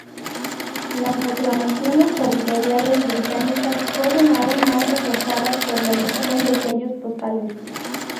Las reclamaciones territoriales británicas fueron aún más reforzadas por la emisión de sellos postales.